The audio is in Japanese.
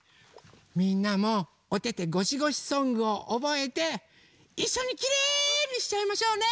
みんなもおててごしごしソングをおぼえていっしょにきれいにしちゃいましょうね！